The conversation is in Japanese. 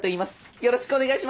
よろしくお願いします！